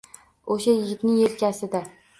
O‘sha yigitning yelkasi-da.